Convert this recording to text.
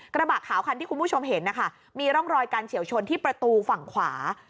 กระบะขาวคันที่คุณผู้ชมเห็นนะคะมีร่องรอยการเฉียวชนที่ประตูฝั่งขวา